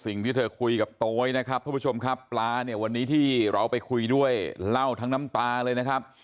สิ่งที่เธอคุยกับโต๊ยนะครับทุกผู้ชมครับปลาเนี่ยวันนี้ที่เราไปคุยด้วยเล่าทั้งน้ำตาเลยนะครับ